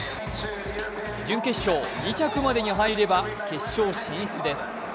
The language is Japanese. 準決勝２着までに入れば決勝進出です。